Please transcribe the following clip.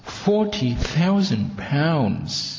Forty thousand pounds!